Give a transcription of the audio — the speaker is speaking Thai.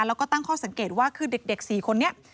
แล้วก็ตั้งข้อสังเกตว่าคือเด็ก๔คนนี้